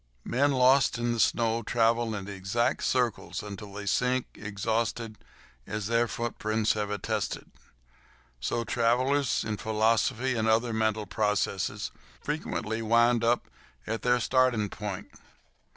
Men lost in the snow travel in exact circles until they sink, exhausted, as their footprints have attested. Also, travellers in philosophy and other mental processes frequently wind up at their starting point.